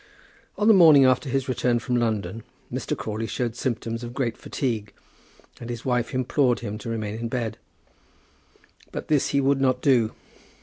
On the morning after his return from London Mr. Crawley showed symptoms of great fatigue, and his wife implored him to remain in bed. But this he would not do.